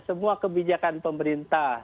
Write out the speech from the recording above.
semua kebijakan pemerintah